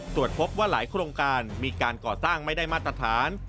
ตรวจพบว่าหลายโครงการมีการก่อสร้างไม่ได้มาตรฐาน